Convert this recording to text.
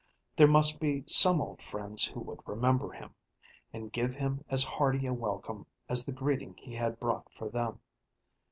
There must be some old friends who would remember him, and give him as hearty a welcome as the greeting he had brought for them.